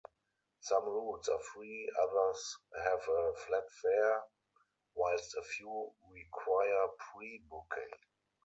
Some routes are free, others have a flat fare, whilst a few require pre-booking.